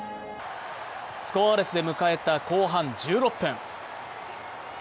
スコアレスで迎えた後半１６分。